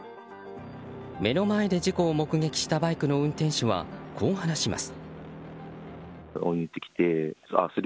目の前で事故を目撃したバイクの運転手はこう話します。